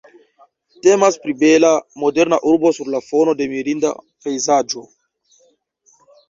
Temas pri bela, moderna urbo sur la fono de mirinda pejzaĝo.